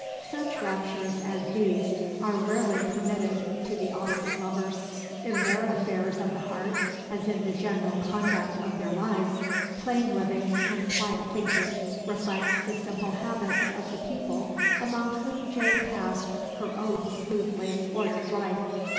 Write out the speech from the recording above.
Such raptures as these are rarely permitted to the Austen lovers. In their affairs of the heart, as in the general conduct of their lives, plain living and quiet thinking reflect the simple habits of the people among whom Jane passed her own smoothly ordered life.